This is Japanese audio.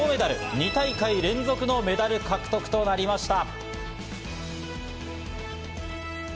２大会連続のメダル獲得となりました。